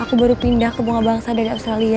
aku baru pindah ke bunga bangsa dari australia